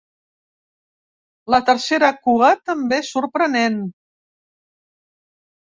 La tercera cua també és sorprenent.